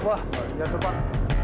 ah ya tufan pak